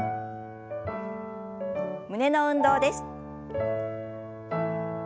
胸の運動です。